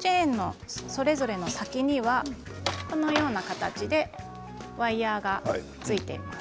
チェーンのそれぞれの先にはこのような形でワイヤーがついています。